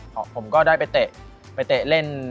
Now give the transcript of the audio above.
ผมก็ได้ไปเตะไปเตะเล่น